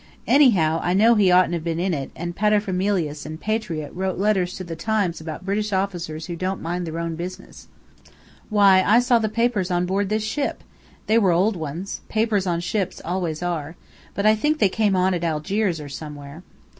Anyhow, I know he oughtn't to have been in it; and 'Paterfamilias' and 'Patriot' wrote letters to the Times about British officers who didn't mind their own business. Why, I saw the papers on board this ship! They were old ones. Papers on ships always are. But I think they came on at Algiers or somewhere."